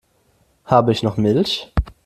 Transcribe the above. Habe ich noch Milch?